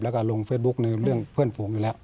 แล้วก็ลงเฟซบุ๊คในเรื่องเพื่อนฝูงอยู่แล้ว